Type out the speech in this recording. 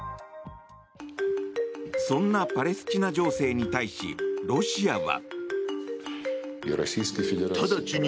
そんなパレスチナ情勢に対しロシアは。